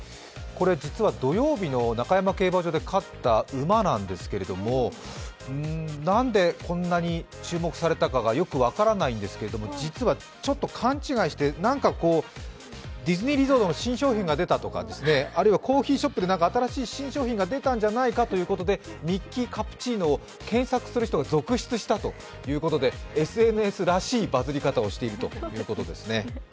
実は土曜日の中山競馬場で勝った馬なんですけれども、なんでこんなに注目されたかがよく分からないんですけれども実はちょっと勘違いして、何かこう、ディズニーリゾートの新商品が出たとかあるいはコーヒーショップで新商品が出たんじゃないかということで、ミッキーカプチーノを検索した人が続出したということでＳＮＳらしいバズり方をしているということですね。